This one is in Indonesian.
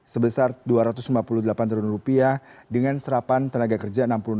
sebesar rp dua ratus lima puluh delapan triliun dengan serapan tenaga kerja